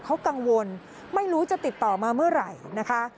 เขากังวลไม่รู้จะติดต่อมาเมื่อไหร่นะคะ